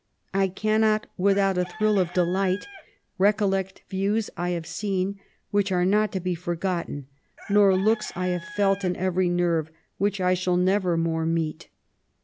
I cannot without a thrill of delight recollect views I have seen, which are not to be forgotten, nor looks I have felt in every nerve, which I shall never more meet.